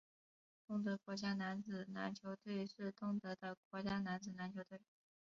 东德国家男子篮球队是东德的国家男子篮球队。